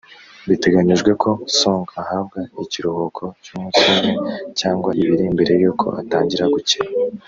Biteganyijwe ko Song ahabwa ikiruhuko cy’umunsi umwe cyangwa ibiri mbere y’uko atangira gukina